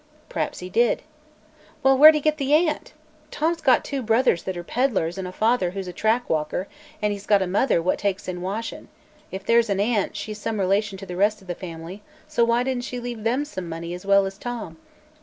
"Perhaps he did." "Well, where'd he get the aunt? Tom's got two brothers that are peddlers an' a father who's a track walker, an' he's got a mother what takes in washin'. If there's an aunt, she's some relation to the rest of the family, so why didn't she leave them some money, as well as Tom?"